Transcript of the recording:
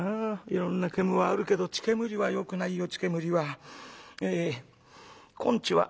いろんな煙はあるけど血煙はよくないよ血煙は。えこんちは」。